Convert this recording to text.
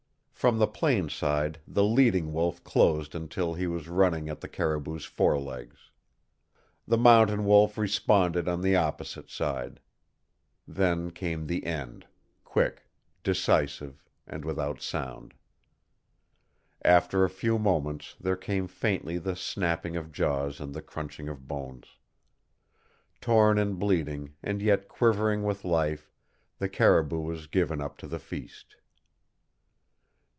From the plain side the leading wolf closed until he was running at the caribou's forelegs. The mountain wolf responded on the opposite side. Then came the end, quick, decisive, and without sound. After a few moments there came faintly the snapping of jaws and the crunching of bones. Torn and bleeding, and yet quivering with life, the caribou was given up to the feast.